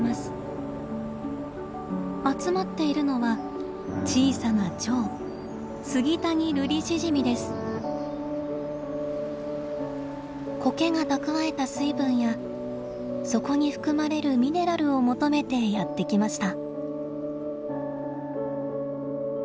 集まっているのは小さなチョウコケが蓄えた水分やそこに含まれるミネラルを求めてやって来ました。